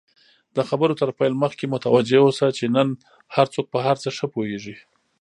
د خبرو تر پیل مخکی متوجه اوسه، چی نن هرڅوک په هرڅه ښه پوهیږي!